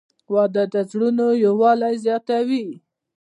• واده د زړونو یووالی زیاتوي.